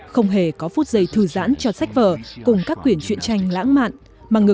không hề có phút giây thư giãn cho sách vở cùng các quyển chuyện tranh lãng mạn